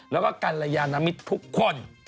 แล้วก็กัลยานมิตรทุกคน